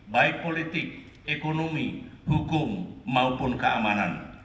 baik politik ekonomi hukum maupun keamanan